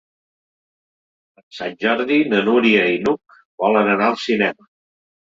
Per Sant Jordi na Núria i n'Hug volen anar al cinema.